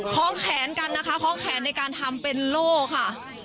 คล้องแขนกันนะคะคล้องแขนในการทำเป็นโล่ค่ะ